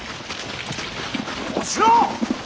小四郎！